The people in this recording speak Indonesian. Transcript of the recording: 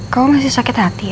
kamu masih sakit hati ya